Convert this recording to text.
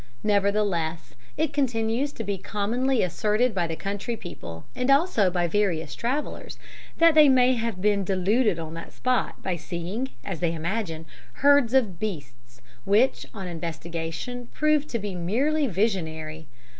Nevertheless, it continues to be commonly asserted by the country people, and also by various travellers, that they have been deluded on that spot by seeing, as they imagine, herds of beasts, which on investigation prove to be merely visionary.